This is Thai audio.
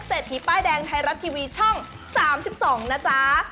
เศรษฐีป้ายแดงไทยรัฐทีวีช่อง๓๒นะจ๊ะ